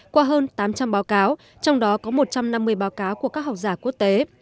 qua hơn tám trăm linh báo cáo trong đó có một trăm năm mươi báo cáo của các học giả quốc tế